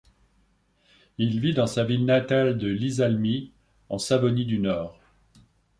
Il vit dans sa ville natale de Iisalmi, en Savonie du Nord.